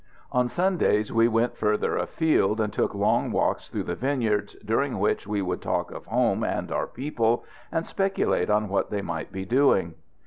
On Sundays we went further afield, and took long walks through the vineyards, during which we would talk of home and our people, and speculate on what they might be doing.